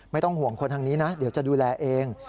ไม่ต้องห่วงคนทางนี้นะเดี๋ยวจะดูแลเอง